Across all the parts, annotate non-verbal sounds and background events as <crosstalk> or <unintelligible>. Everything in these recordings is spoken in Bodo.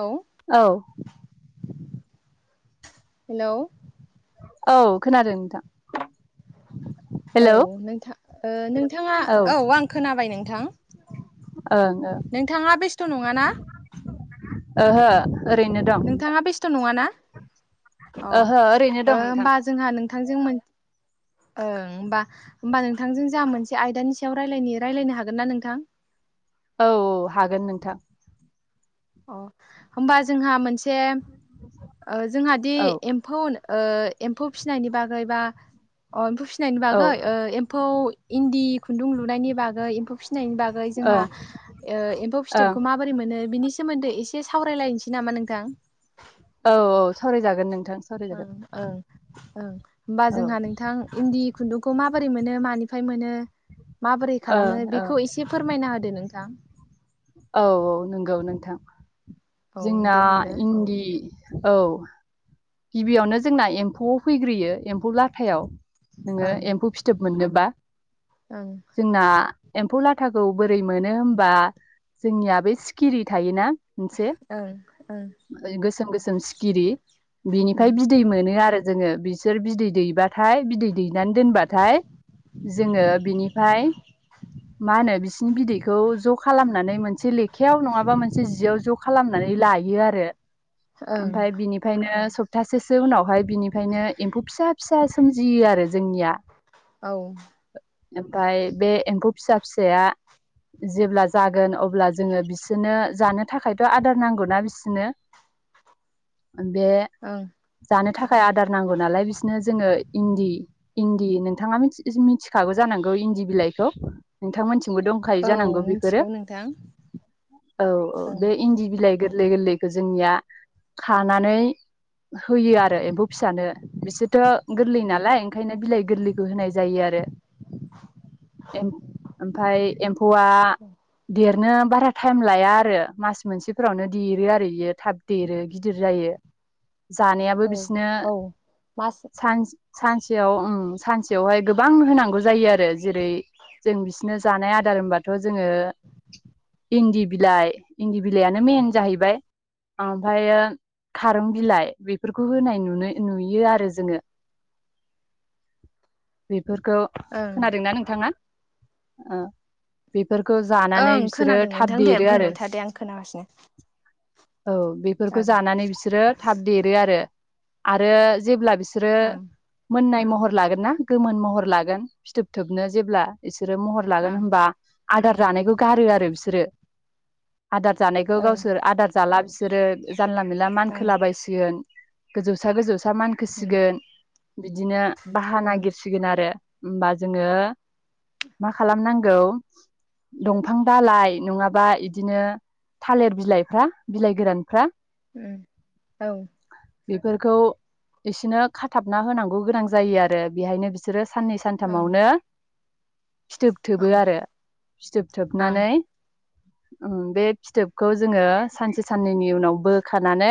औ। औ हेलौ। औ खोनादों नोंथां। औ हेलौ नोंथां उम नोंथाङा औ आं खोनाबाय नोंथां। नोंथां। ओं नोंथाङा बेस्थ' नङाना। ओहो ओरैनो दं नोंथाङा बेस्थ' नङाना अ ओहो ओरैनो दं नोंथां होमबा जोंहा नोंथांजों ओं होमबा होमबा नोंथांजों जा मोनसे आयदानि सायाव रायालायनि रायलायनो हागोन ना नोंथां। औ औ हागोन नोंथां। अ होमबा जोंहा मोनसे अ जोंहादि औ एम्फौ उ एम्फौ फिसिनायनि बागै बा अ एम्फौ फिसिनायनि बागै ओं एम्फौ इन्दि खुन्दुं लुनायनि बागै एम्फौ फिनायनि बागै जोंहा ओं ओ एम्फौ औ फिथोबखौ माबोरै मोनो बिनि सोमोन्दो एसे सावरायलायनोसै नामा नोंथां। औ औ सावरायजागोन नों ओं ओं ओं ओमबा औ ओं जोंहा नोंथां इन्दि खुन्दुं खौ माबोरै मोनो मानिफ्राय मोनो? माबोरै ओं खालामो बेखौ औ एसे फोरमायना होद दे नोंथां। औ औ नोंगौ नोंथां। औ जोंना दे बुंदो इन्दि औ गिबियावनो जोंना एम्फौआव फैग्रोयो एम्फौ लाथायाव। नोङो ओं एम्फौ फिथोब मोननोबा। ओं जोंना एम्फौ लाथाखौ बोरै मोनो होमबा जोंनिया बे सिखिरि थायोना। मोनसे ओं ओं ओय गोसोम गोसोम सिखिरि उम बिनिफ्राय बिदैमो नो आरो जोङो बिसोर बिदै दैबाथाय बिदै दैनानै दोनबाथाय जोङो बिनिफाय माहोनो बिसिनि बिदैखौ ज' खालामनानै मोनसे लेखायाव नङाबा मोनसे जियाव ज' खालामनानै लायो आरो। ओं ओमफाय बिनिफायनो सब थासोसो उनावहाय बिनिफायनो एम्फौ फिसा फिसा सोमजियो आरो जोंनिया। औ ओमफाय बे एम्फौ फिसा फिसाया जेब्ला जागोन अब्ला जोङो बिसोरनो जानो थाखायथ' आदार नांगौना बिसोरनो। बे ओं जानो थाखाय आदार नांगौ नालाय बिसोरनो जोङो इन्दि इन्दि नोंथाङा मिनथि-मिनथिखागौ जानांगौ इन्दि बिलाइखौ। नोंथांमोनथिंबो दंखायो औ जानांगौ बेफोरो। मिथिगौ नोंथां औ औ ओं बे इन्दि बिलाइ गोर लै गोरलैखो जोंनिया खानानै होयो आरो एम्फौ फिसानो बिसोरथ' गोरलै नालाय ओंखायनो बिलाइ गोरलैखौ होनाय जायो आरो। एम ओमफाय फौवा देरनो बारा टायम लाया आरो मास मोनसेफोरावनो देरो आरो इयो थाब देरो गिदिर जायो जानायाबो औ बिसोनो औ मास सान सानसेयाव ओम सानसेयावहाय गोबां होनांगौ जायो आरो जेरै जों बिसोरनो जानाय आदार होनबाथ जोंङो इन्दि बिलाइ इन्दि बिलाइयानो मेन जाहैबाय ओमफायो खारुं बिलाइ बेफोरखौ होनाय नुनो नुयो आरो जोंङो बे फोरखौ ओं खोनादोंना नोंथाङा ओ बे ओं खोनादों नोंथां दे आरो बुंबाय था दे आं खोनागासिनो औ बेफोरखौ जानानै बिसोरो थाब देरो आरो आरो जेब्ला बि सोरो ओं मोननाय महर लागोनना गोमोन महर लागोन फिथोब थोबनो जेब्ला बिसोरो महर ओं लागोन होनबा आदार जानायखौ गारो आरो बिसोरो आदार जानायखौ गावसोर आदार जाला बि सोरो जानला मोनला ओं मानखोलाबायसिगोन गोजौसा-गोजौसा मानखोसिगोन बिदिनो बाहा ओं नागिरसिगोन आरो। होमबा जोंङो मा खालामनांगौ दंफां दालाइ नङाबा इदिनो थालिर बिलाइफ्रा बिलाइ गोरानफ्रा उम औ बेफोरखौ इसोनो खाथाबना होनांगौ गोनां जायो आरो बेहायनो बिसोरो साननै उम सानथामावनो फिथोब औ ओं थोबो आरो फिथोब थोबनानै ओं ओं बे फिथोबखौ जोंङो सानसे साननैनि उनावबो थानानै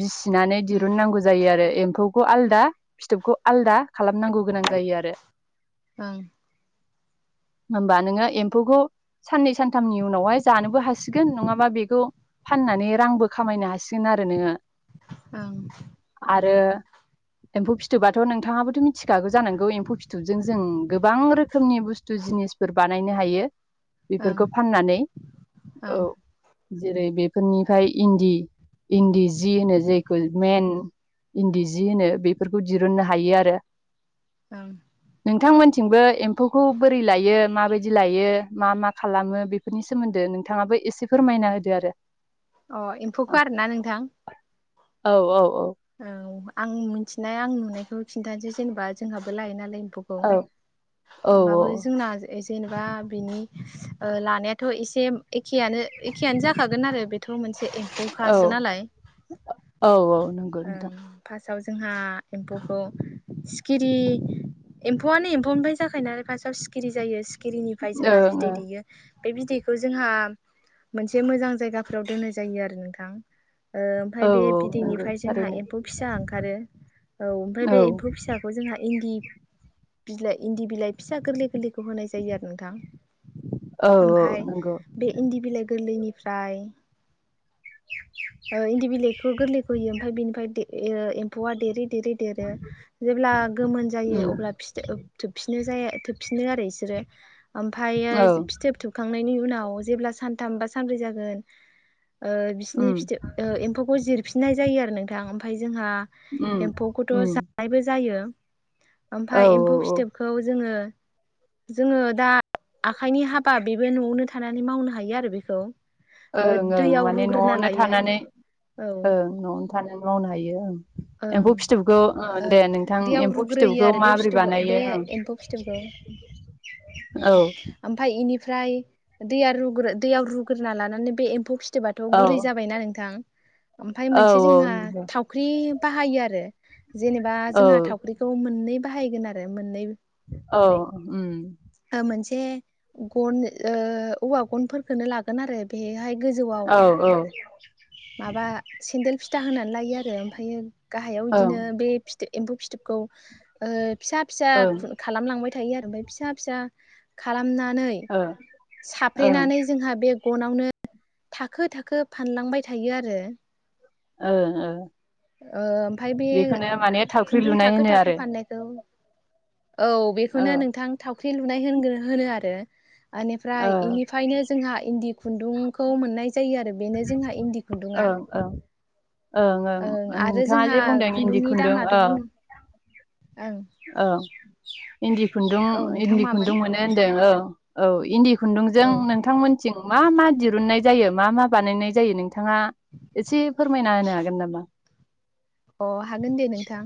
बिसिनानै उम दिरुननांगौ जायो आरो ए म्फौखौ आलदा फिथोबखौ आलदा खालामनांगौ गोनां जायो आरो। ओं होमबा नोंङो एम्फौखौ साननै सानथामनि उनावहाय जानोबो हासिगोन नङाबा बेखौ फाननानै रांबो खामायनो हासिगोन आरो नोंङो ओं एम्फौ फिथोबाथ नोंथाङाबोथ मिथिखागौ जानांगौ एम्फौ फिथोबजों जों गोबां रोखोमनि बुस्थु जिनिसफोर बानायनो हायो। बेफोरखौ ओं फाननानै ओं औ जेरै बे फोरनिफ्राय इन्दि, इन्दि जि होनो जायखौ मेन इन्दि जि होनो बेफोरखौ दिरुननो हायो आरो। ओं नोंथांमोन थिंबो एम्फौखौ बोरै लायो, माबायदि लायो, मा मा खालामो, बेफोरनि सोमोन्दो नोंथाङाबो एसे फोरमायना होदो आरो। अह एम्फौखो आरोना नोंथां? औ औ। औ। आं मिथिनाय, आंनि नुनायखौ खिन्थानोसै जेनेबा जोंहाबो लायो नालाय एम फौखौ। औ औ होमबाबो जोंना जेनेबा बिनि ओ लानायाथ' एसे एखेयानो, एखेयानो जाखागोन आरो बेथ' मोनसे औ एम्फौखासो नालाय। औ औ नंगौ ओं नोंथां फास साव जोंहा एम्फौखौ सिखिरि, एम्फौआनो एम्फौनिफाय जाखायोनालाय फासआव सिखिरि जायो सि खिरिनिफाय जोंहा ओं बिदै ओं दैयो। बे बिदैखौ जोंहा मोनसे मोजां जायगाफोराव दोननाय जायो आरो नोंथां। ओ ओमफ्राय औ बे औ नंगौ बिदैनिफ्राय जोंहा थारैनो एम्फौ फिसा ओंखारो। औ ओमफ्राय औ बे एम्फौ फिसाखौ जोंहा इन्दि बिलाइ इन्दि बिलाइ फिसा गोरलै गोरलै बेखौ होनाय जायो आरो नोंथां। औ औ ओमफ्राय नंगौ बे इन्दि बिलाइ गोरलैनिफ्राय ओ इन्दि बिलाइखौ गोरलैखौ होयो ओमफाय बेनिफाय दे एयो एम्फौआ देरै देरै देरो। जेब्ला गोमोन जायो उम अब्ला फिथोब थोबफिनो जाया थोबफिनो आरो बिसोरो ओमफायो औ फिथोब थोबखां थोबनायनि उनाव जेब्ला साथाम बा सानब्रै जागोन ओ बिसिनि उम फिथोब एम्फौखौ जिरफिननाय जायो आरो नोंथां। ओम जोंहा उम एम्फौखौथ' उम जानायबो जायो। औ औ औ। खौ जोङो, जोङो दा आ खाइनि हाबा बेबो न'आवनो थानानै मावनो हा हायो आरो बेखौ। ओ ओं ओं दैयाव माने रुग्रोना न'आवनो लायो थानानै औ ओं न'आवनो था थानानै मावनो हायो ओं। एम्फौ ओं फिथोबखौ ओ ओं दे नोंथां दैयाव एम्फौ रुग्रोयो फिथोबखौ आरो बे माबोरै फिथोबखौ बे बानायो ओं ओं ओमफ्राय इनि ओमफ्राय दैया रुग्रो दैयाव रुग्रोना लानानै बे एम्फौ फिथ फिथोबाथ' औ गुरै जाबायना नोंथां। ओमफाय औ मोनसे औ जोंहा नंगौ थावख्रि बाहायो आरो। जेनेबा औ जोंहा थावख्रिखौ मोननै बाहायगोन आरो मोननै औ ओम। ओ मोनसे गन ओ औवा गनफोरखौनो लागोन आरो बेहाय गोजौवाव औ औ ओं माबा सेन्देल फिथा होनानै लायो आरो ओमफायो गाहायाव ओं बिदिनो बे फिथ एम्फौ फिथोबखौ ओ फिसा फिसा खालामलांबाय थायो आरो ओमफ्राय फिसा खालामना नै ओ ओं साफ्रेनानै जोंहा बे गनावनो थाखो थाखो फानलांबाय थायो आरो। ओ ओ। ओ ओमफ्राय बे बेखौनो माने थावख्रि खुन्दुं लुनाय थाखो होनो आरो थाखो फाननायखौ औ बेखौनो औ नोंथां थाव ख्रि लुनाय होनगो होनो आरो। इनिफ्राय ओ इनिफ्रायनो जोंहा इन्दि खुन्दुंखौ मोननाय जायो आरो बेनो जोंहा इन्दि खुन्दुङा। ओं ओं ओं ओं आरो नोंथाङा जोंहा जे बुंदों इन्दि खुन्दुंनि खुन्दुं दामाथ' ओ बुं ओं ओ। इन्दि खुन्दुं औ नोंथां इन्दि मामोन खुन्दुं मोनो होन्दों औ। औ इन्दि खुन्दुंजों औ नोंथांमोनथिं मा मा दिरुननाय जायो मा मा? बानायनाय जायो नोंथां - थाङा एसे फोरमायना होनो हागोन नामा? अ हागोन दे नोंथां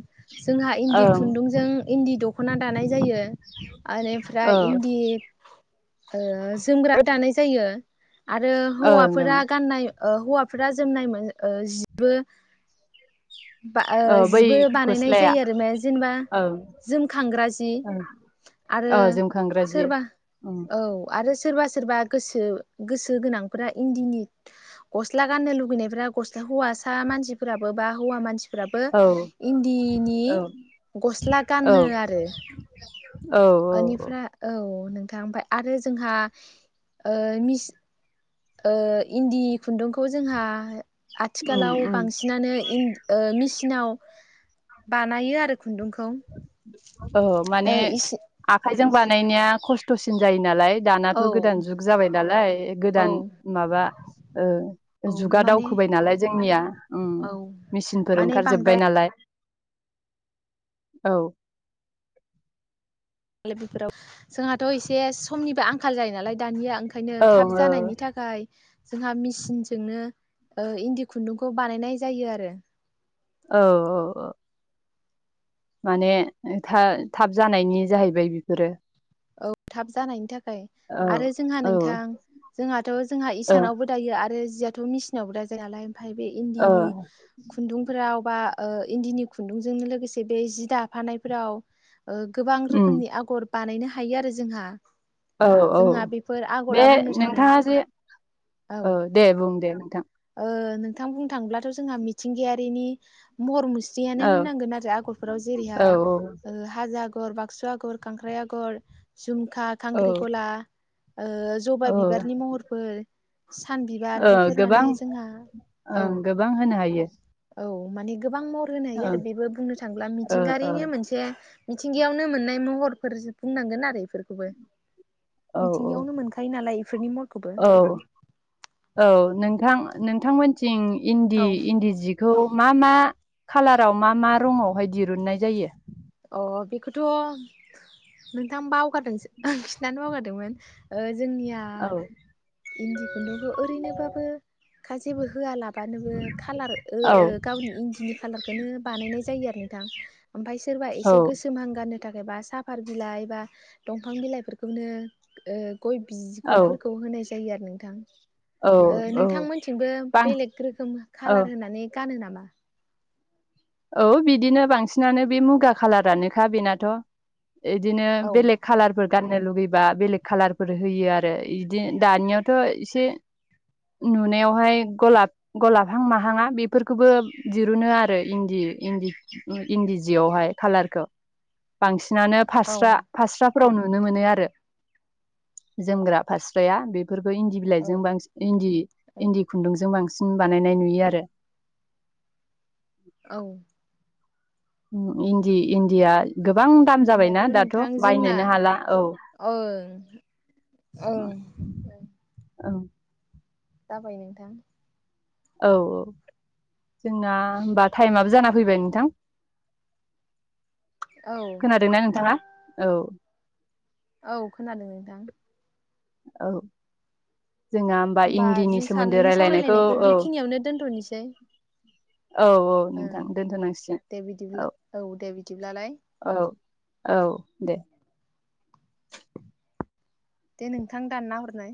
जोंहा इन्दि ओं खुन्दुंजों इन्दि दख' दख'ना दानाय जायो बेनिफ्राय ओं इन्दि ओ जोमग्राबो दानाय जायो आरो हौवाफोरा ओं गाननाय ओ हौवाफोरा जोमनाय मोन ओ जिबो ओं औ बै जिबो बानायनाय गस्लाया जायो आरो माया जेनेबा ओं जोमखांग्रा जि ओं आरो औ जोमखांग्रा जि सोरबा औ आरो सोरबा सोर सोरबा गोसो गोसो गोनांफोरा इन्दिनि गस्ला गाननो लुगैनायफोरा गस्ला हौवासा मानसिफोराबो बा हौवा मानसि फोराबो औ इन्दिनि औ गस्ला औ गानो आरो औ औ अनिफ्रा औ नोंथां ओमफ्राय आरो जोंहा ओ मिस ओ इन्दि खुन्दुंखौ जोंहा उम आथिखालाव उम बांसिनानो इनदि ओ मेसिनाव बानायो आरो खुन्दुंखौ औ माने ओ इसे आखाइजों बानायनाया खस्थसिन जायो नालाय दानाथ' औ गोदान जुग जाबाय नालाय औ गोदान माबा ओ औ जुगा माने दावखोबाय नालाय जोंनिया उम औ मेसिनफोर माने ओंखार बांद्राय जोबबाय नालाय औ लेफिफ्राव जोंहाथ एसे समनिबो आंखाल जायो नालाय दानिया ओंखायनो औ थाब जानायनि थाखाय जोंहा मेसिनजोंनो ओ इन्दि खुन्दुंखौ बानायनाय जायो आरो औ औ औ माने था-थाब जानायनि जाहैबाय बेफोरो औ थाब जानायनि थाखाय औ आरो जोंहा औ नोंथां जोंहाथ' जोंहा ओ इसानावबो दायो आरो जि जियाथ' मिसिनावबो दाजायोनालाय ओमफ्राय बे ओ इन्दिनि खुन्दुंफोराव बा ओ इन्दिनि खुन्दुंजोंनो लोगोसे बे जि दाफानायफोराव ओ गोबां उम रोखोमनि आगर बानायनो हा थायो आरो जोंहा औ औ बेफोर बे आगरा बुंनो थाङो नोंथांङा जे औ दे बुं दे ओ नोंथां बुंनो थांङोब्लाथ' जोंहा मिथिंगायारिनि महर मु जियानो औ होननांगोन आरो आगरफोराव औ जेरैहाय हाजो आगर आगर बाक्सु आगर खांख्राइ आगर जु औ खा-खांख्रि खला ओ जबा औ बिबारनि महरफोर सान बिबार ओ बेफोर गोबां माने ज ओं गोबां होनो हायो औ माने गोबां महर होनो हायो आरो ओं बेबो बुंनो थाङोब्ला ओ ओ मिथिंगायारिनो मोनसे मिथिंगायावनो मोननाय महर फोरजोब बुंनांगोन आरो बेफोरखौबो औ मिथिंगायावनो मोनखायो नालाय इफोरनि महरखौबो औ औ नोंथां आ नोंथांमोन थि थिं इन्दि औ इन्दि जिखौ मा मा खालाराव मा मा रङावहाय दिरुुननाय जायो अ बेखौथ' नोंथां बाव दोंसो ओह खिन्थानो बावगारदोंमोन ओ जि जोंनिया औ इन्दि खुन्दुंखौ ओरैनोबाबो खा जेबो होआलाबानोबो खालार ओ औ ओ गावनि इन्दिनि खालारखोनो बानायनाय जायो आरो नोंथां ओमफ्राय औ एसे गोसोम हां गा फाननो थाखाय बा साफार बिलाइ बा दंफां बिलाइफोरखौनो ओ गय औ बिगुरफोरखौ होनाय जायो आरो नों थां ओ औ औ नोंथांमोनथिंबो बां बेलेग रोखोम औ खालार होननानै गानो नामा <unintelligible> औ बिदिनो बांसिनानो बे मुगा खाालारानोखा बेनाथ' इदिनो औ बेलेग खालारफोर गाननो लुुगैबा बेलेग खालारफोर होयो आरो इदि दानियावथ' एसे नुनायावहाय गलाब गलाबहां माहाङा बेफोरखौबो दिरुनो आरो इन्दि इन्दि ओ इन्दि जियावहाय खाालारखौ बांसिन सिनानो औ फास्रा‌ फास्रा फोराव नुनो मोनो आरो जोमग्रा फारस्राया बेफ फोरखो इन्दि औ बिलाइजों बांसिन इन्दि औ इन्दि खुन्दुंजों बांसिन सिन बानायनाय नुयो आरो औ ओम इन्दि इन्दिया गोबां दाम होमबाथ' जाबायना दाथ' नोंथां जोंना बायनोनो हाला औ ओं ओं ओ अ औ जाबाय नोंथां औ औ जोंना होमबा थाइमाबो जाना फैबाय नोंथां औ खोनादोंना नोंथाङा औ औ खोनादों नोंथां औ जोंहा होमबा इन्दिनि जों सोमोन्दै सानैनि रायलायनायखौ सावरायलायनायखौ औ बेखिनियावनो दोनथनिसै। औ औ नोंथां दोनथनांसिगोन। औ दिब्लालाय। औ औ दे। दे नोंथां दानना हरनाय।